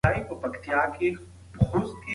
د سوپرنووا انفجار د انرژۍ لویه برخه خوشې کوي.